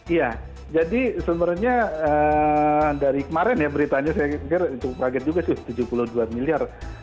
iya jadi sebenarnya dari kemarin ya beritanya saya pikir cukup kaget juga sih tujuh puluh dua miliar